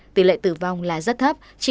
tỷ lệ tử vong là rất thấp chỉ chín